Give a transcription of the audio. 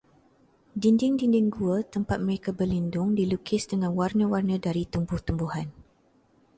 Dinding-dinding gua tempat mereka berlindung dilukis dengan warna-warna dari tumbuh-tumbuhan.